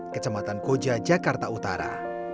kecematan koja jakarta utara